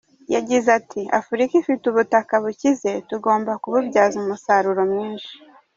Yagize ati “Afurika ifite ubutaka bukize, tugomba kububyaza umusaruro mwinshi.